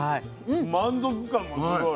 満足感もすごい。